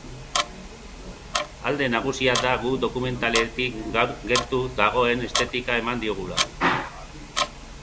Alde nagusia da guk dokumentaletik gertu dagoen estetika eman diogula.